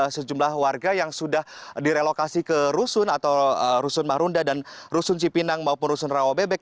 sejumlah warga yang sudah direlokasi ke rusun atau rusun marunda dan rusun cipinang maupun rusun rawabebek